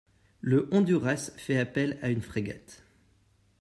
Le Honduras fait appel à une frégate.